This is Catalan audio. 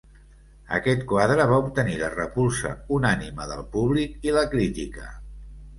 Aquest quadre va obtenir la repulsa unànime del públic i la crítica.